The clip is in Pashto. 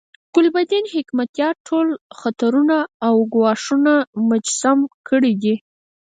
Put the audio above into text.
ګلبدین حکمتیار ټول خطرونه او ګواښونه مجسم کړي دي.